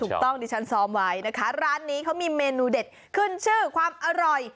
ถูกต้องดิฉันซ้อมไว้นะคะร้านนี้เขามีเมนูเด็ดขึ้นชื่อความอร่อย